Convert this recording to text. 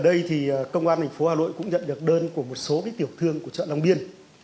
ở đây thì công an tp hà nội cũng nhận được đơn của một số tiểu thương của chợ long biên